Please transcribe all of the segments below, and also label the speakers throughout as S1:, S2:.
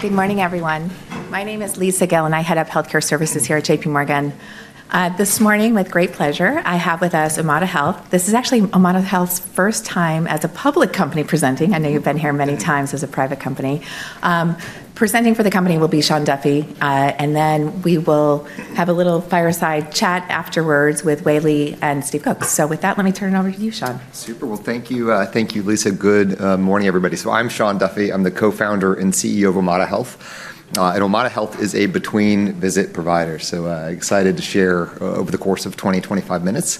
S1: Good morning, everyone. My name is Lisa Gill. I’m the Head of Healthcare Services here at JPMorgan. This morning, with great pleasure, I have with us Omada Health. This is actually Omada Health's first time as a public company presenting. I know you've been here many times as a private company. Presenting for the company will be Sean Duffy, and then we will have a little fireside chat afterwards with Wei-Li and Steve Cook. So with that, let me turn it over to you, Sean.
S2: Super. Well, thank you. Thank you, Lisa. Good morning, everybody. So I'm Sean Duffy. I'm the Co-founder and CEO of Omada Health. And Omada Health is a between-visit provider, so excited to share over the course of 20-25 minutes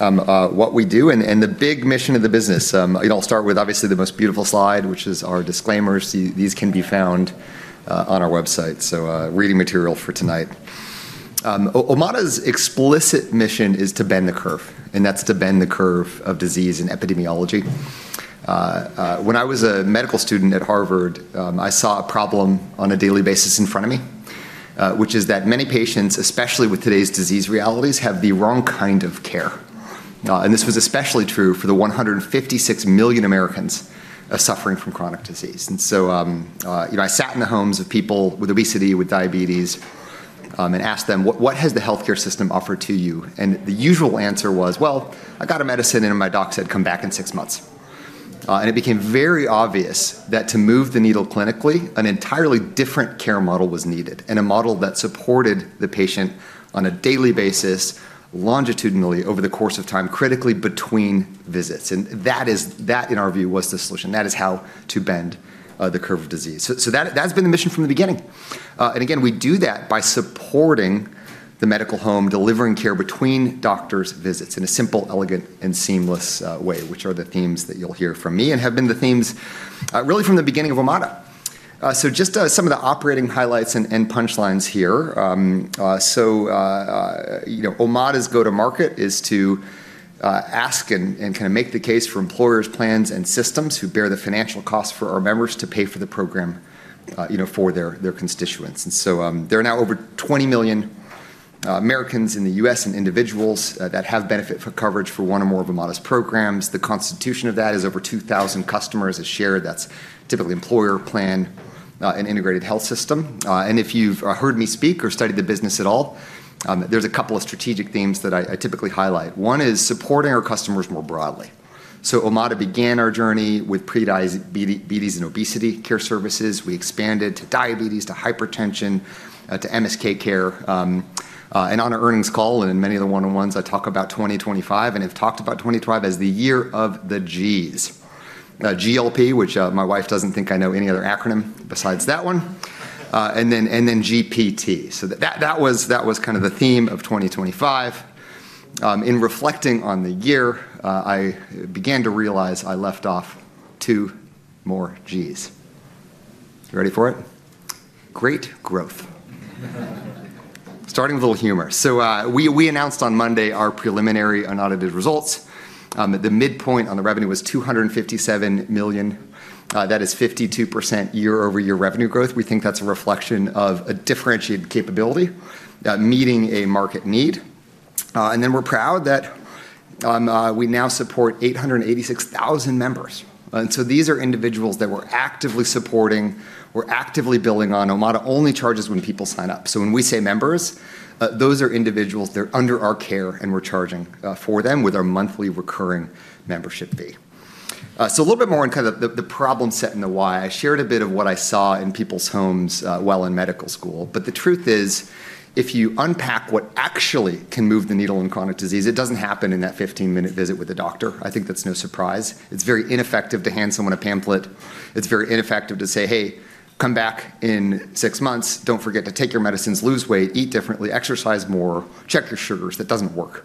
S2: what we do and the big mission of the business. It'll start with, obviously, the most beautiful slide, which is our disclaimers. These can be found on our website, so reading material for tonight. Omada's explicit mission is to bend the curve, and that's to bend the curve of disease and epidemiology. When I was a medical student at Harvard, I saw a problem on a daily basis in front of me, which is that many patients, especially with today's disease realities, have the wrong kind of care. And this was especially true for the 156 million Americans suffering from chronic disease. And so I sat in the homes of people with obesity, with diabetes, and asked them, what has the health care system offered to you? And the usual answer was, well, I got a medicine, and my doc said, come back in six months. And it became very obvious that to move the needle clinically, an entirely different care model was needed, and a model that supported the patient on a daily basis, longitudinally over the course of time, critically between visits. And that is that, in our view, was the solution. That is how to bend the curve of disease. So that has been the mission from the beginning. And again, we do that by supporting the medical home, delivering care between doctors' visits in a simple, elegant, and seamless way, which are the themes that you'll hear from me and have been the themes really from the beginning of Omada. So just some of the operating highlights and punchlines here. So Omada's go-to-market is to ask and kind of make the case for employers, plans, and systems who bear the financial cost for our members to pay for the program for their constituents. And so there are now over 20 million Americans in the U.S. and individuals that have benefit coverage for one or more of Omada's programs. The constituency of that is over 2,000 customers across. That's typically employer, plan, and integrated health system. And if you've heard me speak or studied the business at all, there's a couple of strategic themes that I typically highlight. One is supporting our customers more broadly, so Omada began our journey with prediabetes and obesity care services. We expanded to diabetes, to hypertension, to MSK care, and on our earnings call and in many of the one-on-ones, I talk about 2025 and have talked about 2025 as the year of the Gs. GLP, which my wife doesn't think I know any other acronym besides that one, and then GPT, so that was kind of the theme of 2025. In reflecting on the year, I began to realize I left off two more Gs. You ready for it? Great growth. Starting with a little humor, so we announced on Monday our preliminary and audited results. The midpoint on the revenue was $257 million. That is 52% year-over-year revenue growth. We think that's a reflection of a differentiated capability meeting a market need. And then we're proud that we now support 886,000 members. And so these are individuals that we're actively supporting, we're actively building on. Omada only charges when people sign up. So when we say members, those are individuals that are under our care, and we're charging for them with our monthly recurring membership fee. So a little bit more on kind of the problem set and the why. I shared a bit of what I saw in people's homes while in medical school. But the truth is, if you unpack what actually can move the needle in chronic disease, it doesn't happen in that 15-minute visit with a doctor. I think that's no surprise. It's very ineffective to hand someone a pamphlet. It's very ineffective to say, hey, come back in six months. Don't forget to take your medicines, lose weight, eat differently, exercise more, check your sugars. That doesn't work,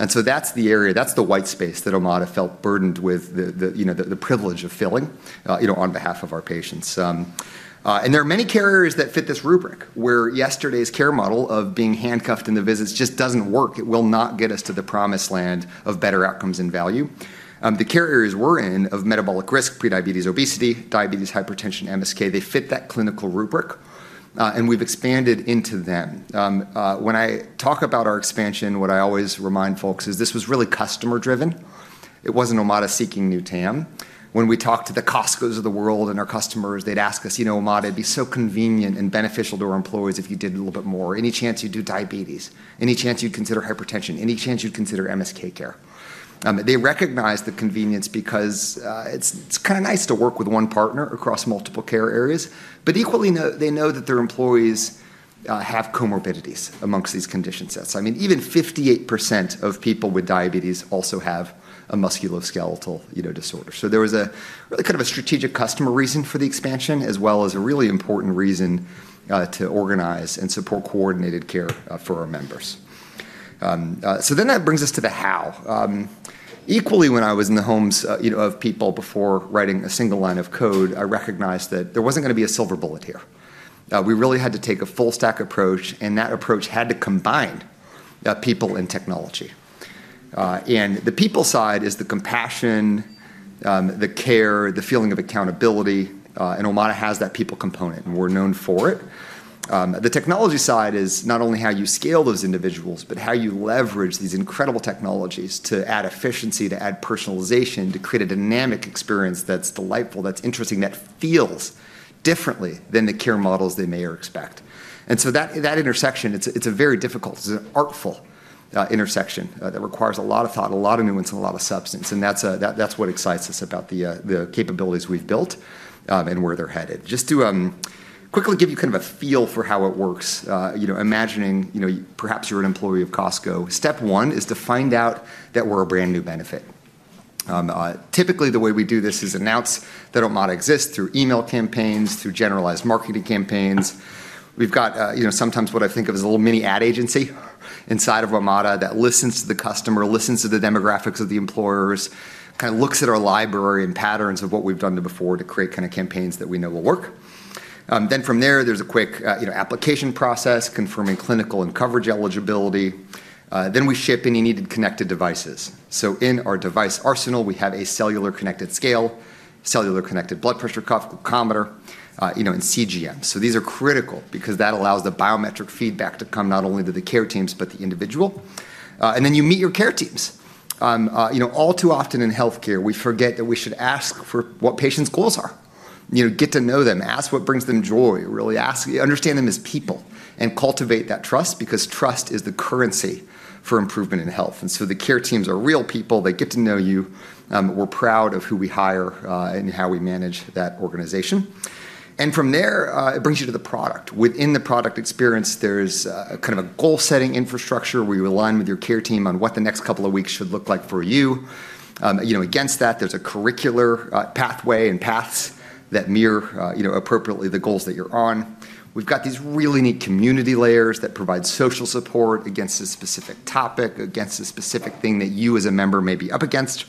S2: and so that's the area, that's the white space that Omada felt burdened with the privilege of filling on behalf of our patients, and there are many carriers that fit this rubric where yesterday's care model of being handcuffed in the visits just doesn't work. It will not get us to the promised land of better outcomes and value. The carriers we're in, of metabolic risk, prediabetes, obesity, diabetes, hypertension, MSK, they fit that clinical rubric, and we've expanded into them. When I talk about our expansion, what I always remind folks is this was really customer-driven. It wasn't Omada seeking new TAM. When we talked to the Costcos of the world and our customers, they'd ask us, you know, Omada, it'd be so convenient and beneficial to our employees if you did a little bit more. Any chance you do diabetes? Any chance you'd consider hypertension? Any chance you'd consider MSK care? They recognize the convenience because it's kind of nice to work with one partner across multiple care areas. But equally, they know that their employees have comorbidities amongst these condition sets. I mean, even 58% of people with diabetes also have a musculoskeletal disorder. So there was a really kind of a strategic customer reason for the expansion, as well as a really important reason to organize and support coordinated care for our members. So then that brings us to the how. Equally, when I was in the homes of people before writing a single line of code, I recognized that there wasn't going to be a silver bullet here. We really had to take a full-stack approach, and that approach had to combine people and technology. And the people side is the compassion, the care, the feeling of accountability. And Omada has that people component, and we're known for it. The technology side is not only how you scale those individuals, but how you leverage these incredible technologies to add efficiency, to add personalization, to create a dynamic experience that's delightful, that's interesting, that feels differently than the care models they may expect. And so that intersection, it's a very difficult, it's an artful intersection that requires a lot of thought, a lot of nuance, and a lot of substance. And that's what excites us about the capabilities we've built and where they're headed. Just to quickly give you kind of a feel for how it works, imagining perhaps you're an employee of Costco, step one is to find out that we're a brand new benefit. Typically, the way we do this is announce that Omada exists through email campaigns, through generalized marketing campaigns. We've got sometimes what I think of as a little mini ad agency inside of Omada that listens to the customer, listens to the demographics of the employers, kind of looks at our library and patterns of what we've done before to create kind of campaigns that we know will work, then from there, there's a quick application process confirming clinical and coverage eligibility, then we ship any needed connected devices, so in our device arsenal, we have a cellular connected scale, cellular connected blood pressure cuff, glucometer, and CGM, so these are critical because that allows the biometric feedback to come not only to the care teams, but the individual, and then you meet your care teams. All too often in health care, we forget that we should ask for what patients' goals are. Get to know them, ask what brings them joy, really ask, understand them as people, and cultivate that trust because trust is the currency for improvement in health, and so the care teams are real people. They get to know you. We're proud of who we hire and how we manage that organization, and from there, it brings you to the product. Within the product experience, there's kind of a goal-setting infrastructure where you align with your care team on what the next couple of weeks should look like for you. Against that, there's a curricular pathway and paths that mirror appropriately the goals that you're on. We've got these really neat community layers that provide social support against a specific topic, against a specific thing that you as a member may be up against.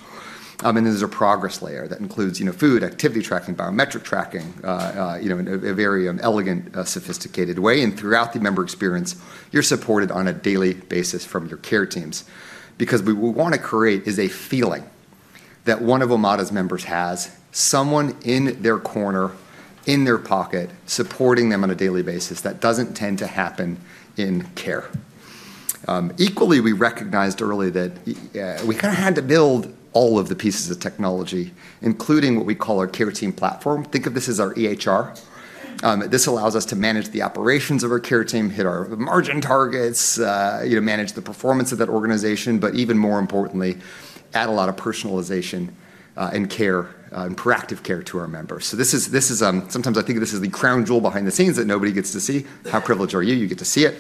S2: And then there's a progress layer that includes food, activity tracking, biometric tracking in a very elegant, sophisticated way. And throughout the member experience, you're supported on a daily basis from your care teams. Because what we want to create is a feeling that one of Omada's members has, someone in their corner, in their pocket, supporting them on a daily basis that doesn't tend to happen in care. Equally, we recognized early that we kind of had to build all of the pieces of technology, including what we call our care team platform. Think of this as our EHR. This allows us to manage the operations of our care team, hit our margin targets, manage the performance of that organization, but even more importantly, add a lot of personalization and care, and proactive care to our members. So this is, sometimes I think, of this as the crown jewel behind the scenes that nobody gets to see. How privileged are you? You get to see it.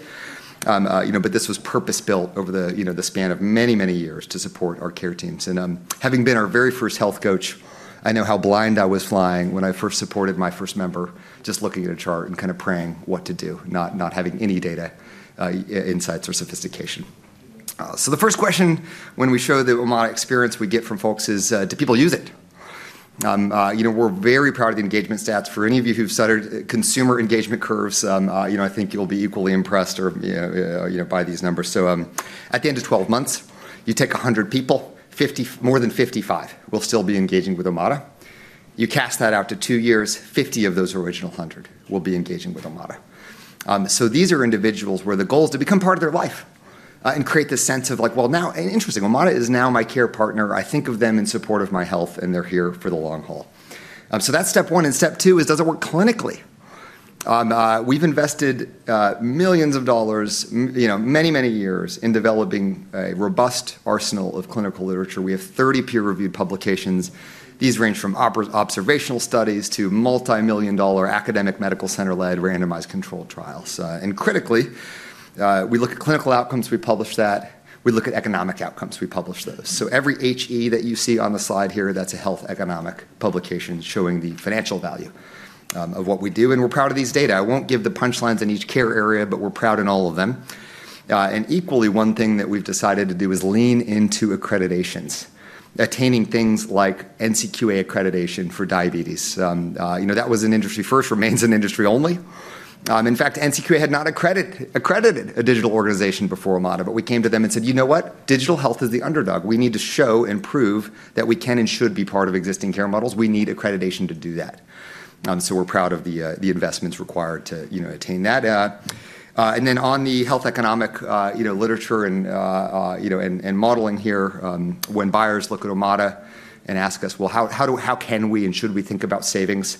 S2: But this was purpose-built over the span of many, many years to support our care teams. And having been our very first health coach, I know how blind I was flying when I first supported my first member, just looking at a chart and kind of praying what to do, not having any data insights or sophistication. So the first question, when we show the Omada experience, we get from folks is, do people use it? We're very proud of the engagement stats. For any of you who've studied consumer engagement curves, I think you'll be equally impressed by these numbers. So at the end of 12 months, you take 100 people. More than 55 will still be engaging with Omada. You cast that out to two years, 50 of those original 100 will be engaging with Omada. So these are individuals where the goal is to become part of their life and create the sense of like, well, now interesting, Omada is now my care partner. I think of them in support of my health, and they're here for the long haul. So that's step one. And step two is, does it work clinically? We've invested millions of dollars, many, many years in developing a robust arsenal of clinical literature. We have 30 peer-reviewed publications. These range from observational studies to multi-million-dollar academic medical center-led randomized controlled trials. And critically, we look at clinical outcomes. We publish that. We look at economic outcomes. We publish those. So every HE that you see on the slide here, that's a health economic publication showing the financial value of what we do. We're proud of these data. I won't give the punchlines in each care area, but we're proud in all of them. Equally, one thing that we've decided to do is lean into accreditations, attaining things like NCQA accreditation for diabetes. That was an industry first, remains an industry only. In fact, NCQA had not accredited a digital organization before Omada, but we came to them and said, you know what? Digital health is the underdog. We need to show and prove that we can and should be part of existing care models. We need accreditation to do that. So we're proud of the investments required to attain that. Then on the health economic literature and modeling here, when buyers look at Omada and ask us, well, how can we and should we think about savings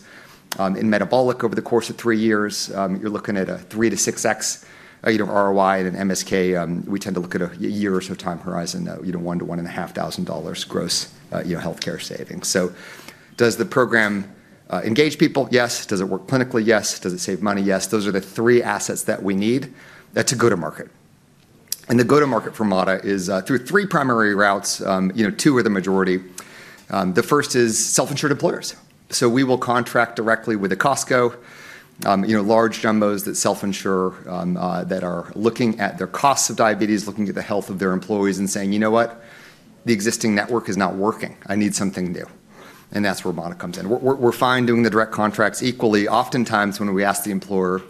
S2: in metabolic over the course of three years? You're looking at a 3x-6x ROI in MSK. We tend to look at a year or so time horizon, $1,000-$1,500 gross health care savings. So does the program engage people? Yes. Does it work clinically? Yes. Does it save money? Yes. Those are the three assets that we need to go to market. And the go-to-market for Omada is through three primary routes. Two are the majority. The first is self-insured employers. So we will contract directly with a Costco, large jumbos that self-insure, that are looking at their costs of diabetes, looking at the health of their employees and saying, you know what? The existing network is not working. I need something new. And that's where Omada comes in. We're fine doing the direct contracts. Equally, oftentimes when we ask the employer,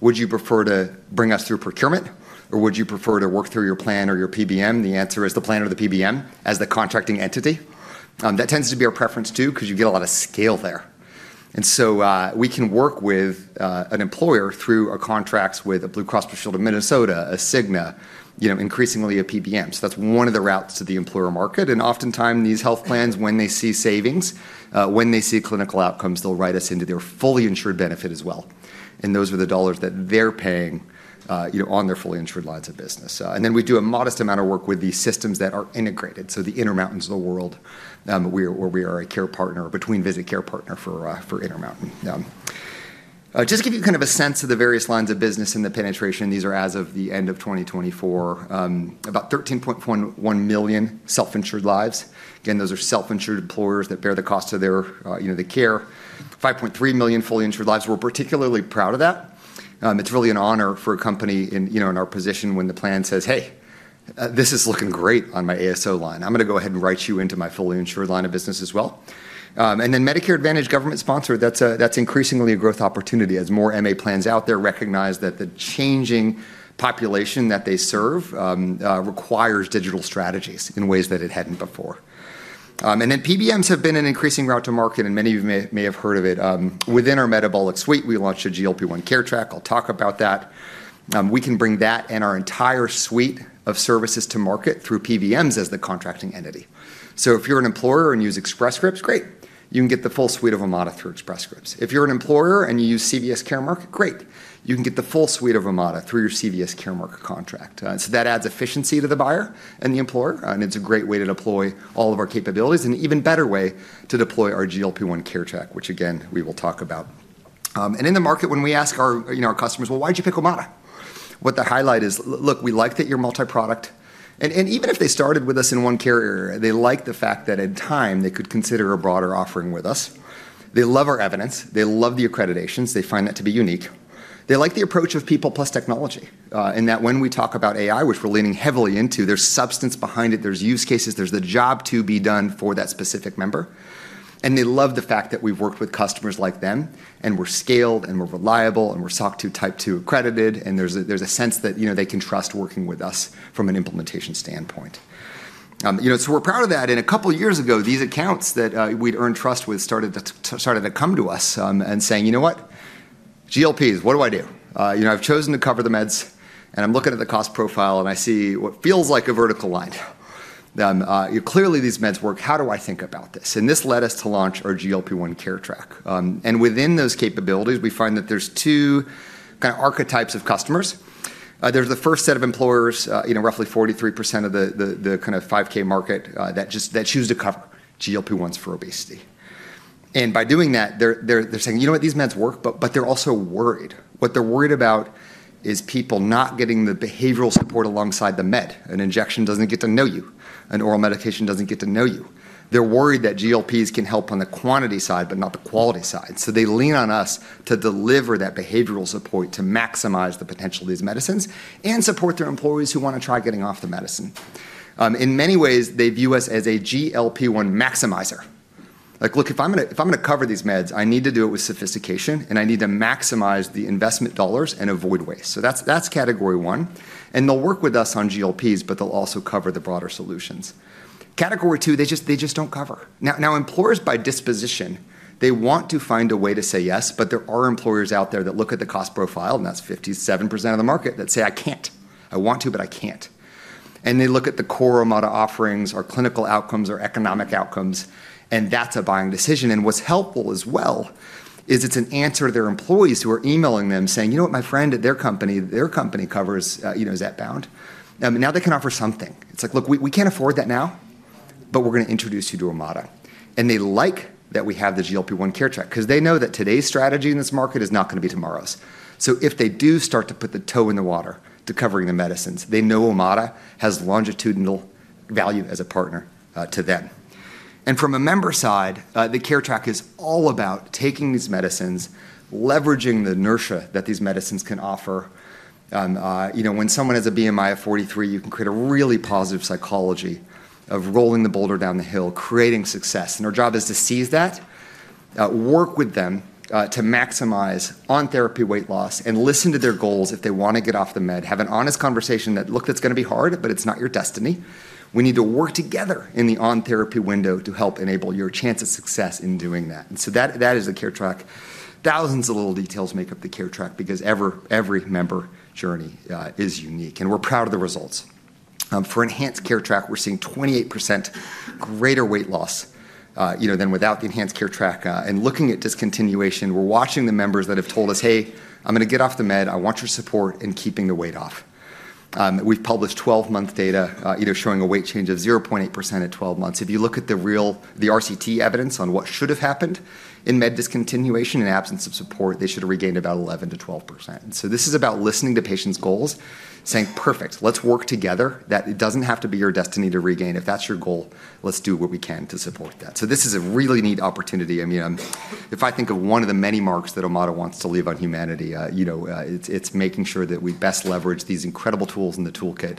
S2: would you prefer to bring us through procurement, or would you prefer to work through your plan or your PBM? The answer is the plan or the PBM as the contracting entity. That tends to be our preference too because you get a lot of scale there. And so we can work with an employer through our contracts with a Blue Cross and Blue Shield of Minnesota, a Cigna, increasingly a PBM. So that's one of the routes to the employer market. And oftentimes these health plans, when they see savings, when they see clinical outcomes, they'll write us into their fully insured benefit as well. And those are the dollars that they're paying on their fully insured lines of business. And then we do a modest amount of work with these systems that are integrated. So the Intermountain is the world where we are a care partner for Intermountain. Just to give you kind of a sense of the various lines of business and the penetration, these are as of the end of 2024, about 13.1 million self-insured lives. Again, those are self-insured employers that bear the cost of their care. 5.3 million fully insured lives. We're particularly proud of that. It's really an honor for a company in our position when the plan says, hey, this is looking great on my ASO line. I'm going to go ahead and write you into my fully insured line of business as well. And then Medicare Advantage, government-sponsored, that's increasingly a growth opportunity as more MA plans out there recognize that the changing population that they serve requires digital strategies in ways that it hadn't before. And then PBMs have been an increasing route to market, and many of you may have heard of it. Within our metabolic suite, we launched a GLP-1 Care Track. I'll talk about that. We can bring that and our entire suite of services to market through PBMs as the contracting entity. So if you're an employer and use Express Scripts, great. You can get the full suite of Omada through Express Scripts. If you're an employer and you use CVS Caremark, great. You can get the full suite of Omada through your CVS Caremark contract. So that adds efficiency to the buyer and the employer. And it's a great way to deploy all of our capabilities and an even better way to deploy our GLP-1 Care Track, which again, we will talk about. And in the market, when we ask our customers, well, why did you pick Omada? What the highlight is, look, we like that you're multi-product. And even if they started with us in one care area, they like the fact that at time they could consider a broader offering with us. They love our evidence. They love the accreditations. They find that to be unique. They like the approach of people plus technology. And that when we talk about AI, which we're leaning heavily into, there's substance behind it. There's use cases. There's the job to be done for that specific member. And they love the fact that we've worked with customers like them, and we're scaled, and we're reliable, and we're SOC 2 Type 2 accredited. And there's a sense that they can trust working with us from an implementation standpoint. So we're proud of that. And a couple of years ago, these accounts that we'd earned trust with started to come to us and saying, you know what? GLP-1s, what do I do? I've chosen to cover the meds, and I'm looking at the cost profile, and I see what feels like a vertical line. Clearly, these meds work. How do I think about this? And this led us to launch our GLP-1 Care Track. And within those capabilities, we find that there's two kind of archetypes of customers. There's the first set of employers, roughly 43% of the kind of 5K market that choose to cover GLP-1s for obesity. And by doing that, they're saying, you know what? These meds work, but they're also worried. What they're worried about is people not getting the behavioral support alongside the med. An injection doesn't get to know you. An oral medication doesn't get to know you. They're worried that GLPs can help on the quantity side, but not the quality side. So they lean on us to deliver that behavioral support to maximize the potential of these medicines and support their employees who want to try getting off the medicine. In many ways, they view us as a GLP-1 maximizer. Look, if I'm going to cover these meds, I need to do it with sophistication, and I need to maximize the investment dollars and avoid waste. So that's category one. And they'll work with us on GLPs, but they'll also cover the broader solutions. Category two, they just don't cover. Now, employers by disposition, they want to find a way to say yes, but there are employers out there that look at the cost profile, and that's 57% of the market that say, I can't. I want to, but I can't. And they look at the core Omada offerings, our clinical outcomes, our economic outcomes, and that's a buying decision. And what's helpful as well is it's an answer to their employees who are emailing them saying, you know what, my friend at their company, their company covers Zepbound. Now they can offer something. It's like, look, we can't afford that now, but we're going to introduce you to Omada. And they like that we have the GLP-1 Care Track because they know that today's strategy in this market is not going to be tomorrow's. So if they do start to put the toe in the water to covering the medicines, they know Omada has longitudinal value as a partner to them. And from a member side, the Care Track is all about taking these medicines, leveraging the inertia that these medicines can offer. When someone has a BMI of 43, you can create a really positive psychology of rolling the boulder down the hill, creating success, and our job is to seize that, work with them to maximize on-therapy weight loss, and listen to their goals if they want to get off the med, have an honest conversation that, look, that's going to be hard, but it's not your destiny. We need to work together in the on-therapy window to help enable your chance of success in doing that, and so that is the care track. Thousands of little details make up the care track because every member journey is unique, and we're proud of the results. For enhanced care track, we're seeing 28% greater weight loss than without the enhanced care track, and looking at discontinuation, we're watching the members that have told us, hey, I'm going to get off the med. I want your support in keeping the weight off. We've published 12-month data showing a weight change of 0.8% at 12 months. If you look at the RCT evidence on what should have happened in med discontinuation in absence of support, they should have regained about 11%-12%, and so this is about listening to patients' goals, saying, perfect, let's work together. That doesn't have to be your destiny to regain. If that's your goal, let's do what we can to support that, so this is a really neat opportunity. I mean, if I think of one of the many marks that Omada wants to leave on humanity, it's making sure that we best leverage these incredible tools in the toolkit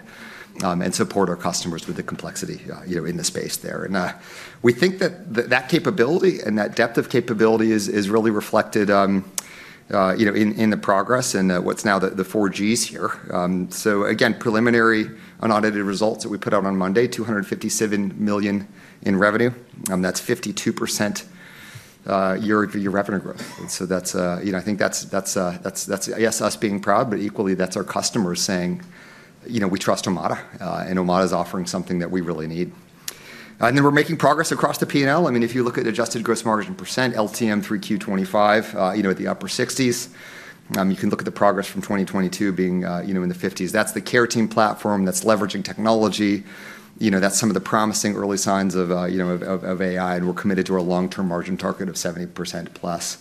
S2: and support our customers with the complexity in the space there. And we think that that capability and that depth of capability is really reflected in the progress and what's now the 4Gs here, so again, preliminary unaudited results that we put out on Monday, $257 million in revenue. That's 52% year-over-year revenue growth, and so I think that's, I guess, us being proud, but equally, that's our customers saying we trust Omada, and Omada is offering something that we really need, and then we're making progress across the P&L. I mean, if you look at adjusted gross margin percent, LTM 3Q 2025 at the upper 60%, you can look at the progress from 2022 being in the 50%. That's the care team platform that's leveraging technology. That's some of the promising early signs of AI, and we're committed to our long-term margin target of 70%+.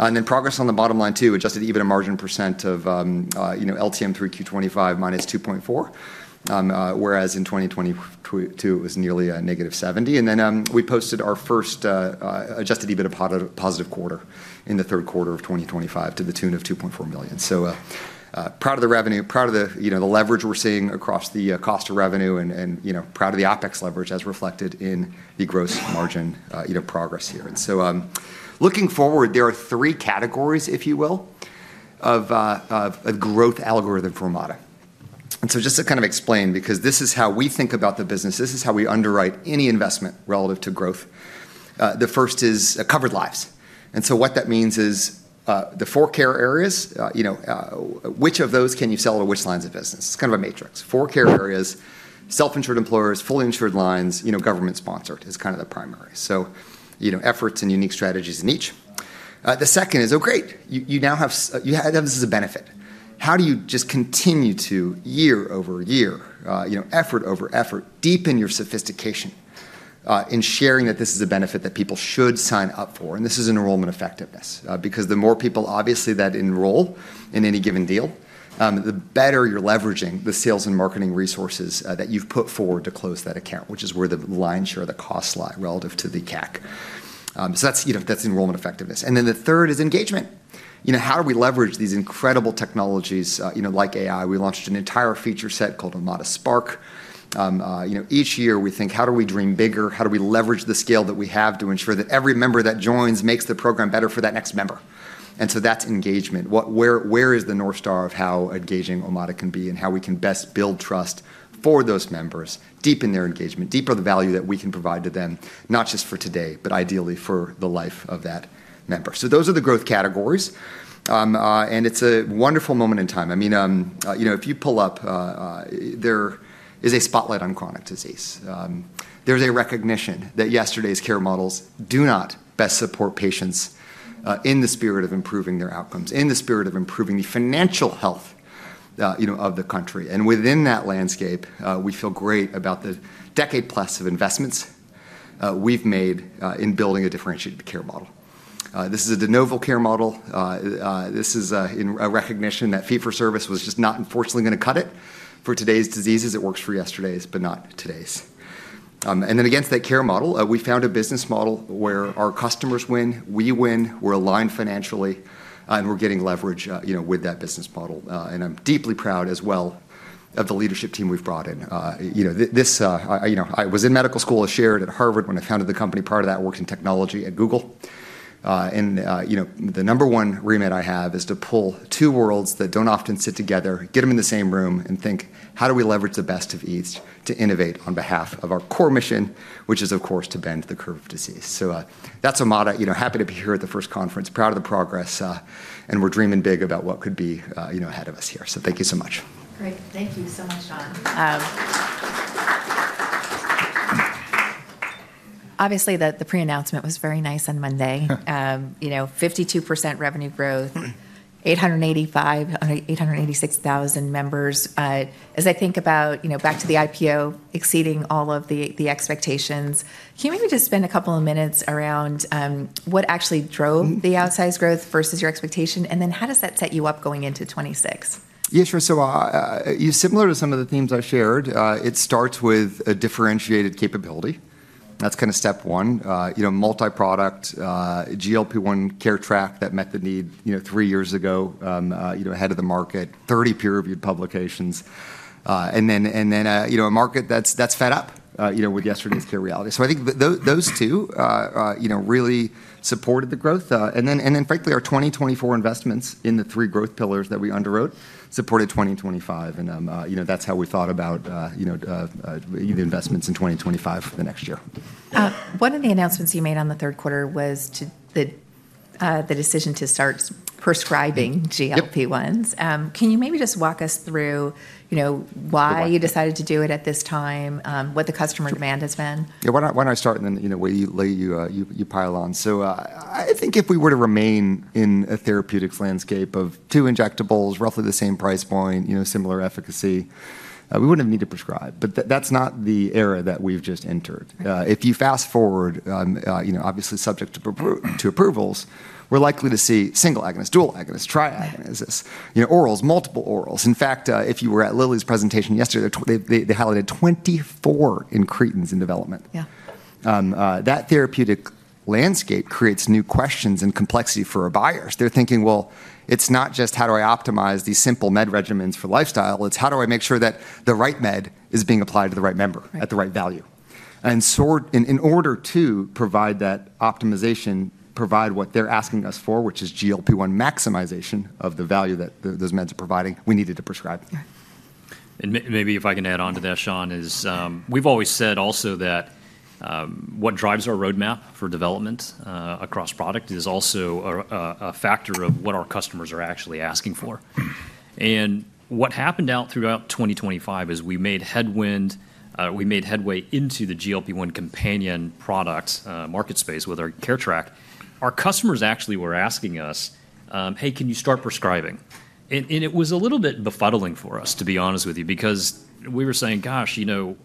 S2: And then progress on the bottom line too. Adjusted EBITDA margin of LTM 3Q 2025 -2.4%, whereas in 2022, it was nearly -70%. And then we posted our first adjusted EBITDA positive quarter in the third quarter of 2025 to the tune of $2.4 million. So proud of the revenue, proud of the leverage we're seeing across the cost of revenue, and proud of the OpEx leverage as reflected in the gross margin progress here. And so looking forward, there are three categories, if you will, of a growth algorithm for Omada. And so just to kind of explain, because this is how we think about the business, this is how we underwrite any investment relative to growth. The first is covered lives. And so what that means is the four care areas, which of those can you sell to which lines of business? It's kind of a matrix. Four care areas, self-insured employers, fully insured lines, government-sponsored is kind of the primary. So efforts and unique strategies in each. The second is, oh great, you now have this as a benefit. How do you just continue to year over year, effort over effort, deepen your sophistication in sharing that this is a benefit that people should sign up for? And this is enrollment effectiveness because the more people obviously that enroll in any given deal, the better you're leveraging the sales and marketing resources that you've put forward to close that account, which is where the lion's share of the costs lie relative to the CAC. So that's enrollment effectiveness. And then the third is engagement. How do we leverage these incredible technologies like AI? We launched an entire feature set called Omada Spark. Each year, we think, how do we dream bigger? How do we leverage the scale that we have to ensure that every member that joins makes the program better for that next member? And so that's engagement. Where is the North Star of how engaging Omada can be and how we can best build trust for those members, deepen their engagement, deepen the value that we can provide to them, not just for today, but ideally for the life of that member? So those are the growth categories. And it's a wonderful moment in time. I mean, if you pull up, there is a spotlight on chronic disease. There's a recognition that yesterday's care models do not best support patients in the spirit of improving their outcomes, in the spirit of improving the financial health of the country. And within that landscape, we feel great about the decade-plus of investments we've made in building a differentiated care model. This is a de novo care model. This is a recognition that fee-for-service was just not unfortunately going to cut it for today's diseases. It works for yesterday's, but not today's. And then against that care model, we found a business model where our customers win, we win, we're aligned financially, and we're getting leverage with that business model. And I'm deeply proud as well of the leadership team we've brought in. I was in medical school, I shared at Harvard when I founded the company. Part of that worked in technology at Google. And the number one remit I have is to pull two worlds that don't often sit together, get them in the same room, and think, how do we leverage the best of each to innovate on behalf of our core mission, which is, of course, to bend the curve of disease. So that's Omada. Happy to be here at the first conference, proud of the progress, and we're dreaming big about what could be ahead of us here. So thank you so much.
S1: Great. Thank you so much, Sean. Obviously, the pre-announcement was very nice on Monday. 52% revenue growth, 886,000 members. As I think about back to the IPO exceeding all of the expectations, can you maybe just spend a couple of minutes around what actually drove the outsize growth versus your expectation? And then how does that set you up going into 2026?
S2: Yeah, sure. So similar to some of the themes I shared, it starts with a differentiated capability. That's kind of step one. Multi-product GLP-1 Care Track that met the need three years ago, ahead of the market, 30 peer-reviewed publications, and then a market that's fed up with yesterday's care reality. So I think those two really supported the growth. And then, frankly, our 2024 investments in the three growth pillars that we underwrote supported 2025. And that's how we thought about the investments in 2025 for the next year.
S1: One of the announcements you made on the third quarter was the decision to start prescribing GLP-1s. Can you maybe just walk us through why you decided to do it at this time, what the customer demand has been?
S2: Yeah, why don't I start and then we let you pile on. So I think if we were to remain in a therapeutic landscape of two injectables, roughly the same price point, similar efficacy, we wouldn't have need to prescribe. But that's not the era that we've just entered. If you fast forward, obviously subject to approvals, we're likely to see single agonists, dual agonists, triagonists, multiple orals. In fact, if you were at Lilly’s presentation yesterday, they highlighted 24 incretins in development. That therapeutic landscape creates new questions and complexity for our buyers. They're thinking, well, it's not just how do I optimize these simple med regimens for lifestyle. It's how do I make sure that the right med is being applied to the right member at the right value. In order to provide that optimization, provide what they're asking us for, which is GLP-1 maximization of the value that those meds are providing, we needed to prescribe.
S3: And maybe if I can add on to that, Sean, is we've always said also that what drives our roadmap for development across product is also a factor of what our customers are actually asking for. And what happened out throughout 2025 is we made headway into the GLP-1 companion product market space with our care track. Our customers actually were asking us, "hey, can you start prescribing?" And it was a little bit befuddling for us, to be honest with you, because we were saying, "gosh, the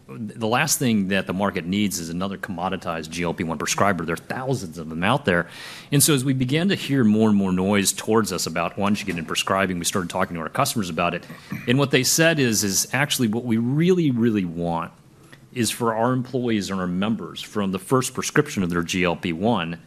S3: last thing that the market needs is another commoditized GLP-1 prescriber." There are thousands of them out there. And so as we began to hear more and more noise towards us about, "why don't you get into prescribing?" We started talking to our customers about it. And what they said is, actually, what we really, really want is for our employees and our members from the first prescription of their GLP-1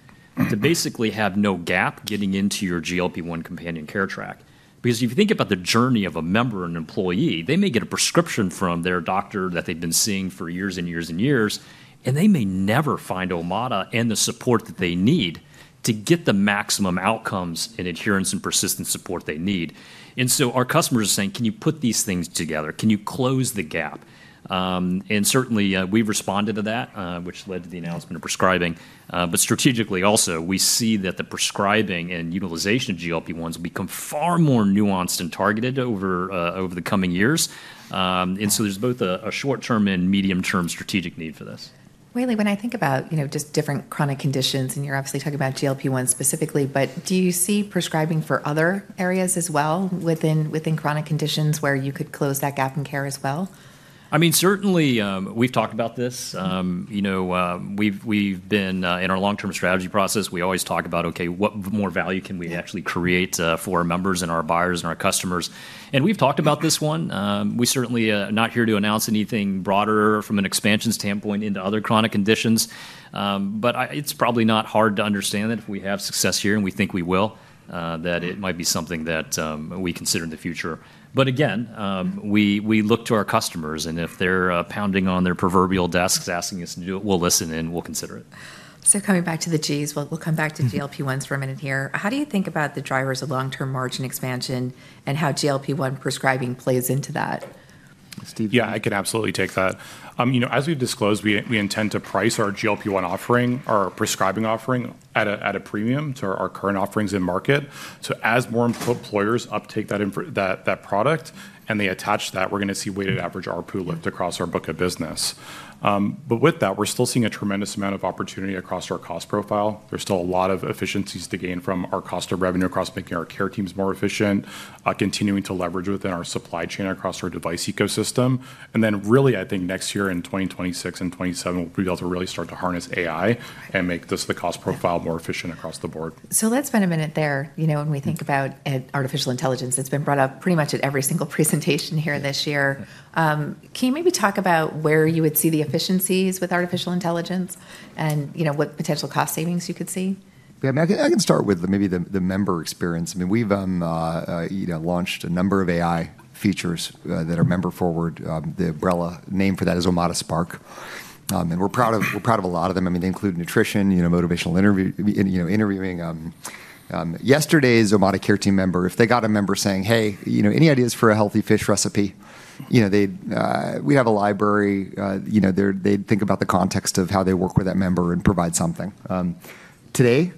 S3: to basically have no gap getting into your GLP-1 Care Track. Because if you think about the journey of a member and employee, they may get a prescription from their doctor that they've been seeing for years and years and years, and they may never find Omada and the support that they need to get the maximum outcomes and adherence and persistent support they need. And so our customers are saying, can you put these things together? Can you close the gap? And certainly, we've responded to that, which led to the announcement of prescribing. But strategically, also, we see that the prescribing and utilization of GLP-1s become far more nuanced and targeted over the coming years. There's both a short-term and medium-term strategic need for this. Wei-Li, when I think about just different chronic conditions, and you're obviously talking about GLP-1 specifically, but do you see prescribing for other areas as well within chronic conditions where you could close that gap in care as well? I mean, certainly, we've talked about this. We've been in our long-term strategy process. We always talk about, okay, what more value can we actually create for our members and our buyers and our customers? And we've talked about this one. We certainly are not here to announce anything broader from an expansion standpoint into other chronic conditions. But it's probably not hard to understand that if we have success here and we think we will, that it might be something that we consider in the future. But again, we look to our customers, and if they're pounding on their proverbial desks asking us to do it, we'll listen and we'll consider it.
S1: So coming back to the Gs, we'll come back to GLP-1s for a minute here. How do you think about the drivers of long-term margin expansion and how GLP-1 prescribing plays into that?
S2: Steve.
S4: Yeah, I can absolutely take that. As we've disclosed, we intend to price our GLP-1 offering, our prescribing offering, at a premium to our current offerings in market. So as more employers uptake that product and they attach that, we're going to see weighted average R pool lift across our book of business. But with that, we're still seeing a tremendous amount of opportunity across our cost profile. There's still a lot of efficiencies to gain from our cost of revenue across making our care teams more efficient, continuing to leverage within our supply chain across our device ecosystem. And then really, I think next year in 2026 and 2027, we'll be able to really start to harness AI and make this the cost profile more efficient across the board.
S1: So let's spend a minute there when we think about artificial intelligence. It's been brought up pretty much at every single presentation here this year. Can you maybe talk about where you would see the efficiencies with artificial intelligence and what potential cost savings you could see?
S2: Yeah, I can start with maybe the member experience. I mean, we've launched a number of AI features that are member-forward. The umbrella name for that is Omada Spark. And we're proud of a lot of them. I mean, they include nutrition, motivational interviewing. Yesterday's Omada care team member, if they got a member saying, hey, any ideas for a healthy fish recipe? We have a library. They'd think about the context of how they work with that member and provide something. Today,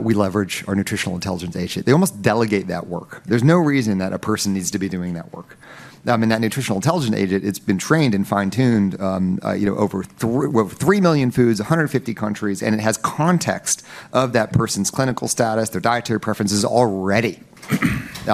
S2: we leverage our nutritional intelligence agent. They almost delegate that work. There's no reason that a person needs to be doing that work. I mean, that nutritional intelligence agent, it's been trained and fine-tuned over 3 million foods, 150 countries, and it has context of that person's clinical status, their dietary preferences already.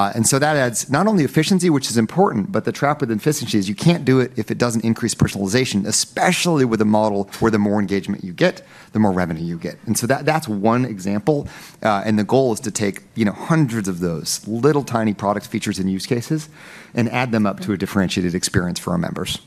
S2: And so that adds not only efficiency, which is important, but the trap with efficiency is you can't do it if it doesn't increase personalization, especially with a model where the more engagement you get, the more revenue you get. And so that's one example. And the goal is to take hundreds of those little tiny product features and use cases and add them up to a differentiated experience for our members.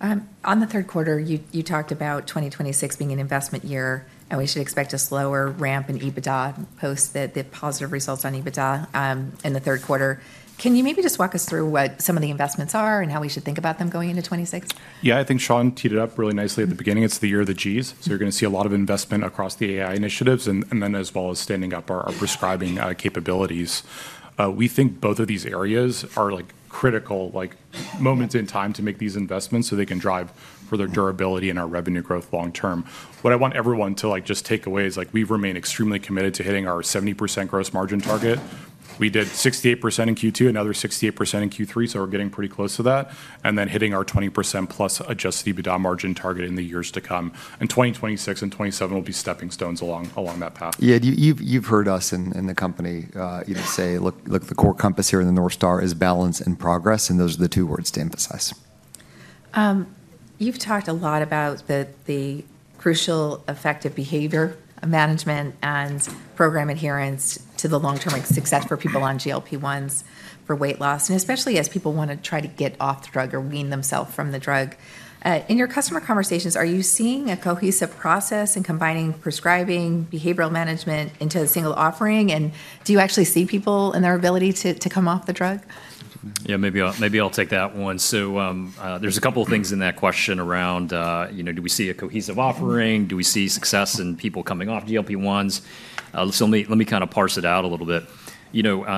S1: On the third quarter, you talked about 2026 being an investment year, and we should expect a slower ramp in EBITDA post the positive results on EBITDA in the third quarter. Can you maybe just walk us through what some of the investments are and how we should think about them going into 2026?
S4: Yeah, I think Sean teed it up really nicely at the beginning. It's the year of the Gs. So you're going to see a lot of investment across the AI initiatives and then as well as standing up our prescribing capabilities. We think both of these areas are critical moments in time to make these investments so they can drive further durability and our revenue growth long-term. What I want everyone to just take away is we've remained extremely committed to hitting our 70% gross margin target. We did 68% in Q2, another 68% in Q3, so we're getting pretty close to that, and then hitting our 20%+ adjusted EBITDA margin target in the years to come. In 2026 and 2027, we'll be stepping stones along that path.
S2: Yeah. You've heard us in the company say, look, the core compass here in the North Star is balance and progress, and those are the two words to emphasize.
S1: You've talked a lot about the crucial effect of behavior management and program adherence to the long-term success for people on GLP-1s for weight loss, and especially as people want to try to get off the drug or wean themselves from the drug. In your customer conversations, are you seeing a cohesive process in combining prescribing behavioral management into a single offering, and do you actually see people in their ability to come off the drug?
S3: Yeah, maybe I'll take that one. So there's a couple of things in that question around, do we see a cohesive offering? Do we see success in people coming off GLP-1s? So let me kind of parse it out a little bit.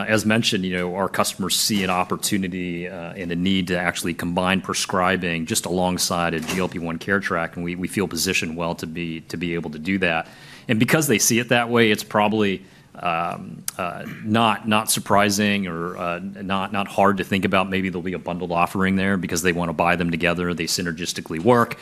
S3: As mentioned, our customers see an opportunity and a need to actually combine prescribing just alongside a GLP-1 Care Track, and we feel positioned well to be able to do that. And because they see it that way, it's probably not surprising or not hard to think about maybe there'll be a bundled offering there because they want to buy them together. They synergistically work.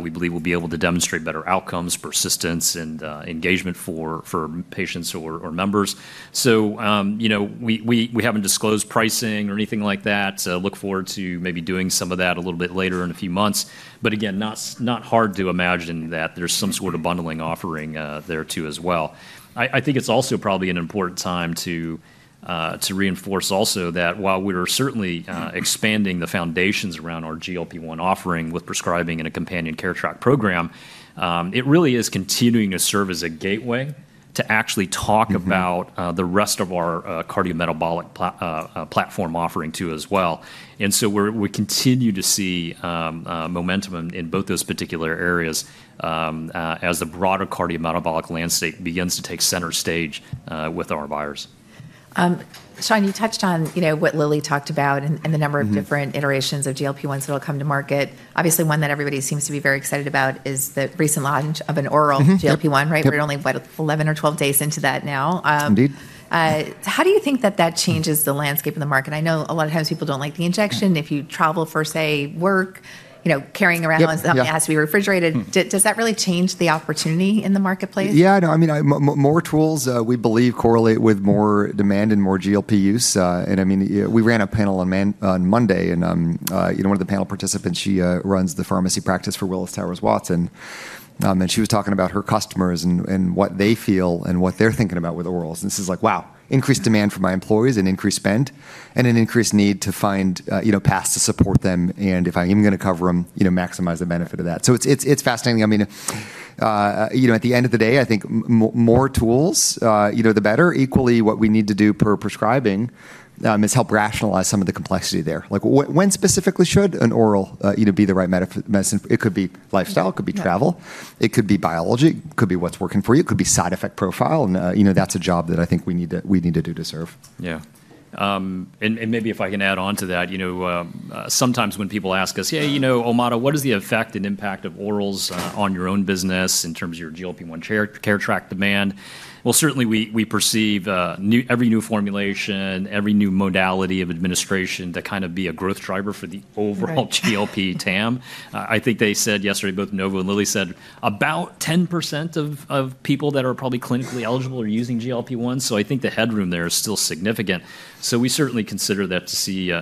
S3: We believe we'll be able to demonstrate better outcomes, persistence, and engagement for patients or members. So we haven't disclosed pricing or anything like that. Look forward to maybe doing some of that a little bit later in a few months. But again, not hard to imagine that there's some sort of bundling offering there too as well. I think it's also probably an important time to reinforce also that while we're certainly expanding the foundations around our GLP-1 offering with prescribing and a companion care track program, it really is continuing to serve as a gateway to actually talk about the rest of our cardiometabolic platform offering too as well. And so we continue to see momentum in both those particular areas as the broader cardiometabolic landscape begins to take center stage with our buyers.
S1: Sean, you touched on what Lilly talked about and the number of different iterations of GLP-1s that will come to market. Obviously, one that everybody seems to be very excited about is the recent launch of an oral GLP-1, right? We're only what, 11 or 12 days into that now.
S2: Indeed.
S1: How do you think that that changes the landscape of the market? I know a lot of times people don't like the injection. If you travel for, say, work, carrying around something that has to be refrigerated, does that really change the opportunity in the marketplace?
S2: Yeah, I mean, more tools we believe correlate with more demand and more GLP use. And I mean, we ran a panel on Monday, and one of the panel participants, she runs the pharmacy practice for Willis Towers Watson. And she was talking about her customers and what they feel and what they're thinking about with orals. And this is like, wow, increased demand for my employees and increased spend and an increased need to find paths to support them. And if I'm even going to cover them, maximize the benefit of that. So it's fascinating. I mean, at the end of the day, I think more tools, the better. Equally, what we need to do per prescribing is help rationalize some of the complexity there. When specifically should an oral be the right medicine? It could be lifestyle, it could be travel, it could be biology, it could be what's working for you, it could be side effect profile. And that's a job that I think we need to do to serve.
S3: Yeah. And maybe if I can add on to that, sometimes when people ask us, hey, Omada, what is the effect and impact of orals on your own business in terms of your GLP-1 Care Track demand? Well, certainly, we perceive every new formulation, every new modality of administration to kind of be a growth driver for the overall GLP-1 TAM. I think they said yesterday, both Novo and Lilly said about 10% of people that are probably clinically eligible are using GLP-1. So I think the headroom there is still significant. So we certainly consider that to see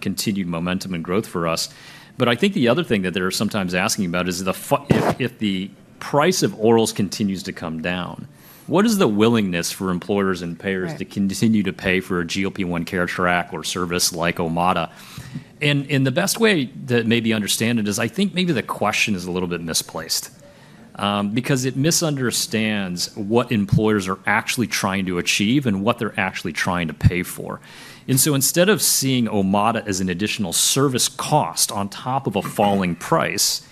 S3: continued momentum and growth for us. But I think the other thing that they're sometimes asking about is if the price of orals continues to come down, what is the willingness for employers and payers to continue to pay for a GLP-1 Care Track or service like Omada? And the best way to maybe understand it is I think maybe the question is a little bit misplaced because it misunderstands what employers are actually trying to achieve and what they're actually trying to pay for. And so instead of seeing Omada as an additional service cost on top of a falling price,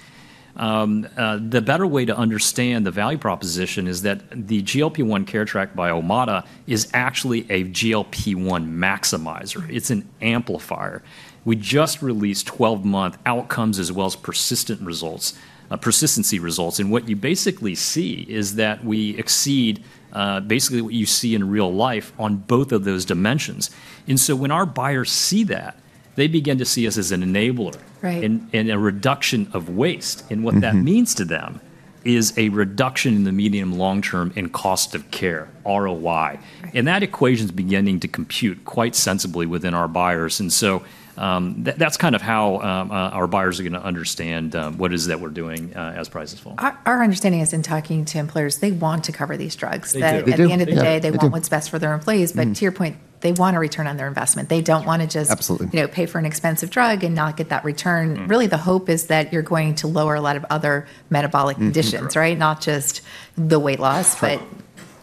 S3: the better way to understand the value proposition is that the GLP-1 Care Track by Omada is actually a GLP-1 maximizer. It's an amplifier. We just released 12-month outcomes as well as persistency results. And what you basically see is that we exceed basically what you see in real life on both of those dimensions. And so when our buyers see that, they begin to see us as an enabler and a reduction of waste. And what that means to them is a reduction in the medium-long-term in cost of care, ROI. And that equation is beginning to compute quite sensibly within our buyers. And so that's kind of how our buyers are going to understand what it is that we're doing as prices fall.
S1: Our understanding is, in talking to employers, they want to cover these drugs.
S2: They do.
S1: At the end of the day, they want what's best for their employees. But to your point, they want a return on their investment. They don't want to just pay for an expensive drug and not get that return. Really, the hope is that you're going to lower a lot of other metabolic conditions, right? Not just the weight loss, but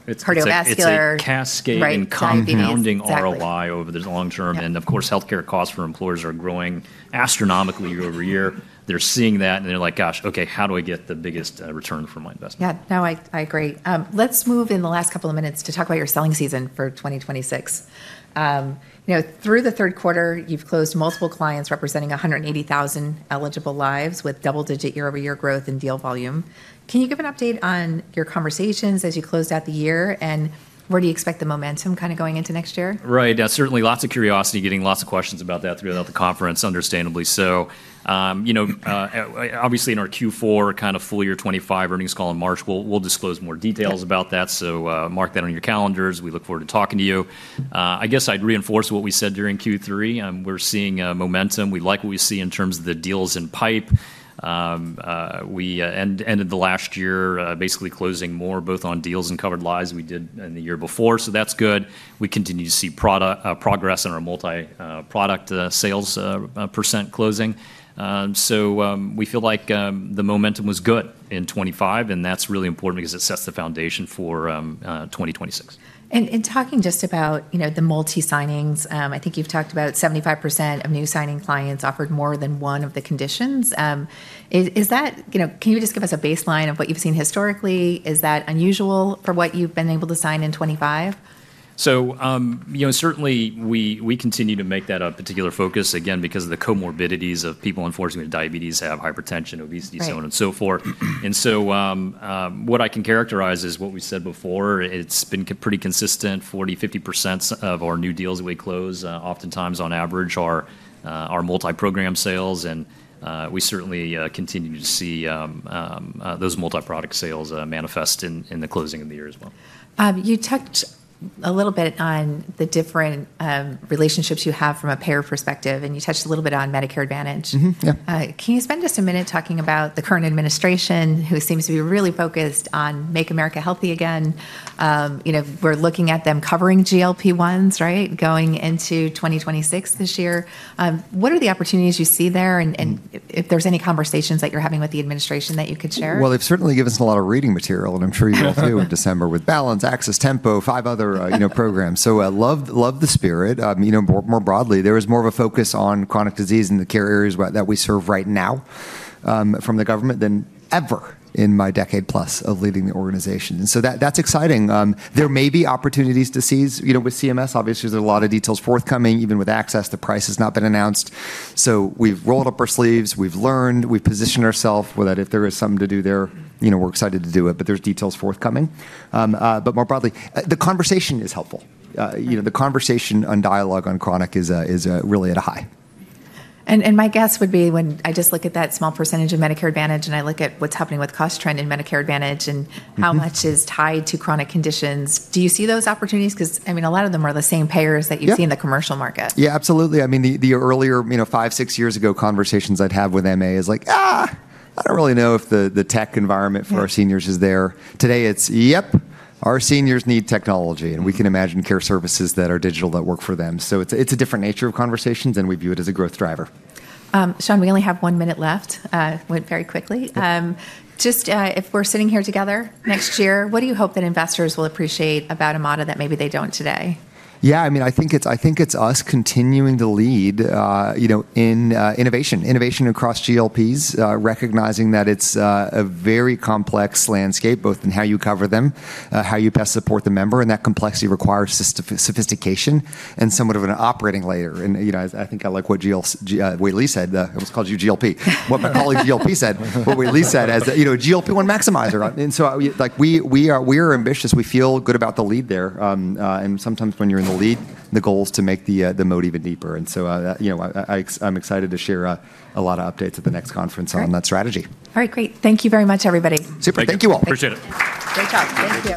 S1: cardiovascular.
S4: It's a cascading compounding ROI over the long term. And of course, healthcare costs for employers are growing astronomically year over year. They're seeing that, and they're like, gosh, okay, how do I get the biggest return from my investment?
S1: Yeah, no, I agree. Let's move in the last couple of minutes to talk about your selling season for 2026. Through the third quarter, you've closed multiple clients representing 180,000 eligible lives with double-digit year-over-year growth in deal volume. Can you give an update on your conversations as you close out the year? And where do you expect the momentum kind of going into next year?
S3: Right. Certainly, lots of curiosity, getting lots of questions about that throughout the conference, understandably so. Obviously, in our Q4, kind of full year 2025 earnings call in March, we'll disclose more details about that. So mark that on your calendars. We look forward to talking to you. I guess I'd reinforce what we said during Q3. We're seeing momentum. We like what we see in terms of the deals in pipe. We ended the last year basically closing more both on deals and covered lives we did in the year before. So that's good. We continue to see progress in our multi-product sales percent closing. So we feel like the momentum was good in 2025, and that's really important because it sets the foundation for 2026.
S1: Talking just about the multi-signings, I think you've talked about 75% of new signing clients offered more than one of the conditions. Can you just give us a baseline of what you've seen historically? Is that unusual for what you've been able to sign in 2025?
S3: So certainly, we continue to make that a particular focus, again, because of the comorbidities of people unfortunately with diabetes, have hypertension, obesity, so on and so forth. And so what I can characterize is what we said before. It's been pretty consistent. 40%-50% of our new deals that we close oftentimes on average are multi-program sales. And we certainly continue to see those multi-product sales manifest in the closing of the year as well.
S1: You touched a little bit on the different relationships you have from a payer perspective, and you touched a little bit on Medicare Advantage. Can you spend just a minute talking about the current administration who seems to be really focused on Make America Healthy Again? We're looking at them covering GLP-1s, right, going into 2026 this year. What are the opportunities you see there? And if there's any conversations that you're having with the administration that you could share?
S2: They've certainly given us a lot of reading material, and I'm sure you all feel in December with Balance, Access, Tempo, five other programs. I love the spirit. More broadly, there is more of a focus on chronic disease in the care areas that we serve right now from the government than ever in my decade plus of leading the organization. That's exciting. There may be opportunities to seize with CMS. Obviously, there's a lot of details forthcoming, even with access to prices not been announced. We've rolled up our sleeves. We've learned. We've positioned ourselves that if there is something to do there, we're excited to do it, but there's details forthcoming. More broadly, the conversation is helpful. The conversation on dialogue on chronic is really at a high.
S1: My guess would be when I just look at that small percentage of Medicare Advantage and I look at what's happening with cost trend in Medicare Advantage and how much is tied to chronic conditions, do you see those opportunities? Because I mean, a lot of them are the same payers that you see in the commercial market.
S2: Yeah, absolutely. I mean, the earlier five, six years ago conversations I'd have with MA is like, I don't really know if the tech environment for our seniors is there. Today, it's, yep, our seniors need technology, and we can imagine care services that are digital that work for them. So it's a different nature of conversations, and we view it as a growth driver.
S1: Sean, we only have one minute left. Went very quickly. Just if we're sitting here together next year, what do you hope that investors will appreciate about Omada that maybe they don't today?
S2: Yeah, I mean, I think it's us continuing to lead in innovation across GLPs, recognizing that it's a very complex landscape, both in how you cover them, how you best support the member, and that complexity requires sophistication and somewhat of an operating layer. And I think I like what Lilly said as a GLP-1 maximizer. And so we are ambitious. We feel good about the lead there. And sometimes when you're in the lead, the goal is to make the moat even deeper. And so I'm excited to share a lot of updates at the next conference on that strategy.
S1: All right, great. Thank you very much, everybody.
S4: Super.
S1: Thank you all.
S3: Appreciate it.
S2: Great talk. Thank you.